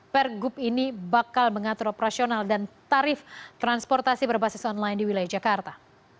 pergub ini bakal mengatur operasional dan tarif transportasi berbasis online di wilayah jakarta